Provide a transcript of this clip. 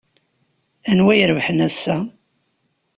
Anwa ay irebḥen ass-a?